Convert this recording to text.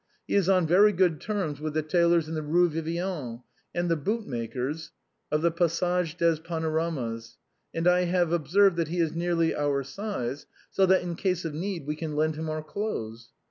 He is on very good terms with the tailors in the Eue Vivienne, and the bootmakers of the Passage des Panoramas; and I have observed that he is nearly our size, so that, in case of need, we can lend him our clothes.